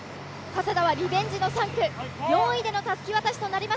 加世田はリベンジの３区、４位でのたすき渡し。